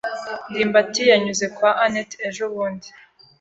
ndimbati yanyuze kwa anet ejobundi.